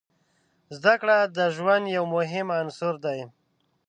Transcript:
زده کړه د ژوند یو مهم عنصر دی.